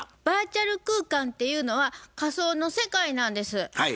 バーチャル空間っていうのは仮想の世界なんです。